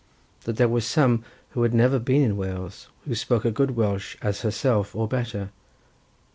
That there were some who had never been in Wales, who spoke as good Welsh as herself, or better.